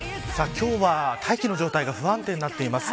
今日は大気の状態が不安定になっています。